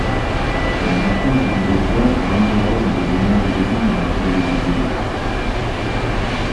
Je m'approche du docteur et l'interroge en lui donnant les raisons de ma curiosité.